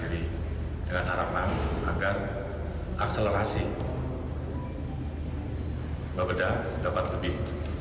assalamualaikum warahmatullahi wabarakatuh